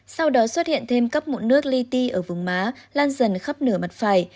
sau đó xuất hiện thêm cấp mụn nước ly ti ở vùng má lan dần khắp nửa mặt phải